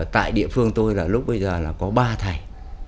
tại địa phương tôi là lúc bây giờ là có ba thầy